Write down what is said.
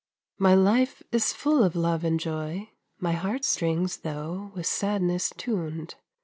My life is full of love and joy, My heart strings, though, with sadness tuned.